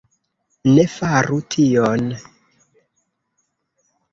Ne faru tion.